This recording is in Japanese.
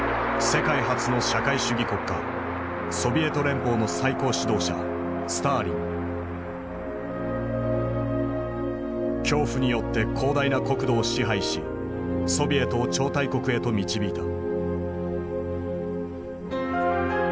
世界初の社会主義国家ソビエト連邦の最高指導者恐怖によって広大な国土を支配しソビエトを超大国へと導いた。